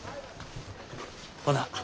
ほな。